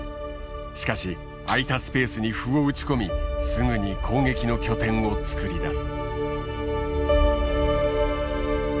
しかし空いたスペースに歩を打ち込みすぐに攻撃の拠点を作り出す。